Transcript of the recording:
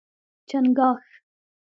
🦀 چنګاښ